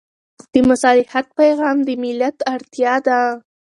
د مصالحت پېغام د ملت اړتیا ده.